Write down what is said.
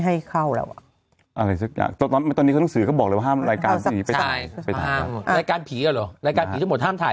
ห้ามรายการผีเขาเหรอรายการผีทั้งหมดห้ามถ่าย